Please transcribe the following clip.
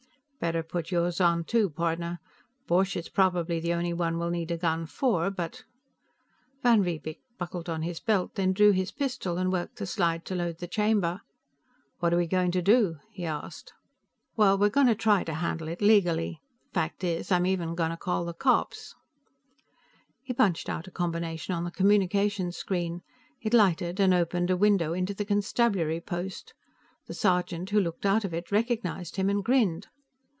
"Better put yours on, too, partner. Borch is probably the only one we'll need a gun for, but " Van Riebeek buckled on his belt, then drew his pistol and worked the slide to load the chamber. "What are we going to do?" he asked. "Well, we're going to try to handle it legally. Fact is, I'm even going to call the cops." He punched out a combination on the communication screen. It lighted and opened a window into the constabulary post. The sergeant who looked out of it recognized him and grinned.